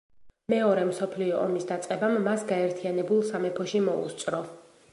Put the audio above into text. მეორე მსოფლიო ომის დაწყებამ მას გაერთიანებულ სამეფოში მოუსწრო.